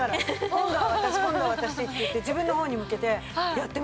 「今度は私今度は私」って言って自分の方に向けてやってますよ。